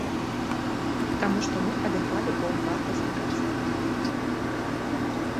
Таму што мы адыгралі паўнавартасны канцэрт.